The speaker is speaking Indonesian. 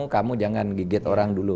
kamu jangan gigit orang dulu